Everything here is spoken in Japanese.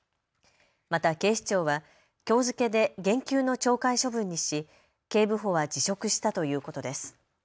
また警視庁はきょう付けで減給の懲戒処分にし警部補は辞職したということです。